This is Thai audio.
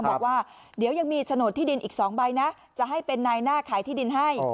บอกว่าเดี๋ยวยังมีโฉนดที่ดินอีก๒ใบนะจะให้เป็นนายหน้าขายที่ดินให้